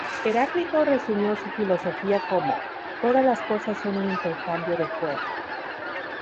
Heráclito resumió su filosofía como: ""Todas las cosas son un intercambio de fuego"".